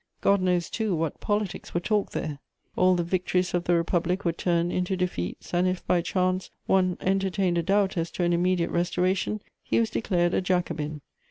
God knows, too, what politics were talked there! All the victories of the Republic were turned into defeats, and, if by chance one entertained a doubt as to an immediate restoration, he was declared a Jacobin.